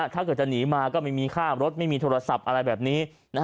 ถ้าเกิดจะหนีมาก็ไม่มีค่ารถไม่มีโทรศัพท์อะไรแบบนี้